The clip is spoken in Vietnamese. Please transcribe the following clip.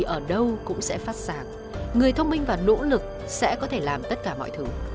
ở đâu cũng sẽ phát xạc người thông minh vào nỗ lực sẽ có thể làm tất cả mọi thứ